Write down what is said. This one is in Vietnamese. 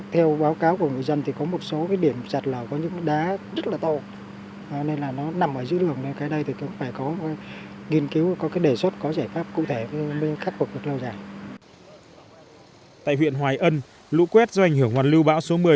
tại huyện hoài ân lũ quét do ảnh hưởng hoàn lưu bão số một mươi